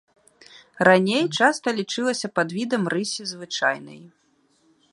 Раней часта лічылася падвідам рысі звычайнай.